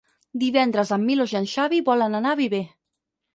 Divendres en Milos i en Xavi volen anar a Viver.